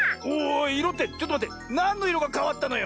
いろってちょっとまってなんのいろがかわったのよ？